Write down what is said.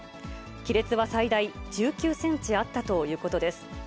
亀裂は最大１９センチあったということです。